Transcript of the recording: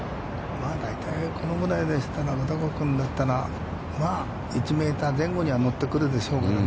まあ大体、このぐらいでしたら、片岡君だったら、１メートル前後には乗ってくるでしょうからね。